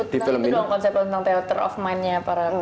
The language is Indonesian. sebetulnya itu dong konsep tentang theater of mind nya